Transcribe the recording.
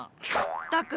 ったく！